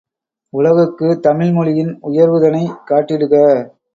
உலகுக்குத் தமிழ்மொழியின் உயர்வுதனைக் காட்டிடுக